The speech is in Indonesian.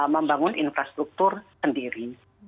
membangun infrastruktur sendiri